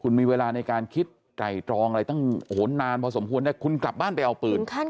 คุณมีเวลาในการคิดไตรตรองอะไรตั้งนานพอสมควรเนี่ยคุณกลับบ้านไปเอาปืน